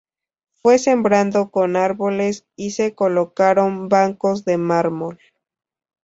Fue sembrado con árboles y se colocaron bancos de mármol.